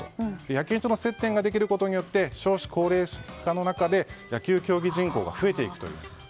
野球との接点ができることによって少子高齢化の中で野球競技人口が増えていくという。